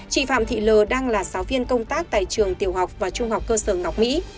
chị phạm thị l đang là giáo viên công tác tại trường tiểu học và trung học cơ sở ngọc mỹ